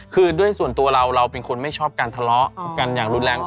คือด้วยส่วนตัวเราเราเป็นคนไม่ชอบการทะเลาะกันอย่างรุนแรง